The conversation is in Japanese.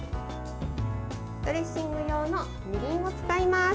ドレッシング用のみりんを使います。